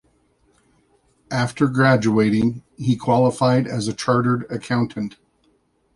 After graduating, he qualified as a chartered accountant.